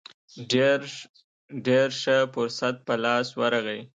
ډېر ښه فرصت په لاس ورغی.